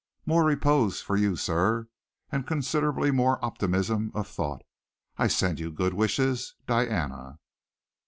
More repose for you, sir, and considerably more optimism of thought. I send you good wishes. Diana."